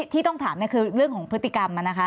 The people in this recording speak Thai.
ที่ต้องถามคือเรื่องของพฤติกรรมนะคะ